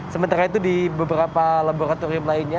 sementara itu di beberapa laboratorium lainnya